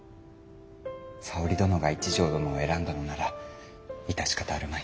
沙織殿が一条殿を選んだのなら致し方あるまい。